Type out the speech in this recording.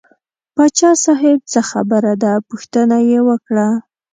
پاچا صاحب څه خبره ده پوښتنه یې وکړه.